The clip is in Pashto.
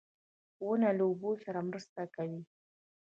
• ونه له اوبو سره مرسته کوي.